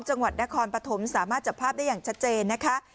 จังหวัดนครปฐมสามารถจับภาพได้อย่างชัดเจนนะคะ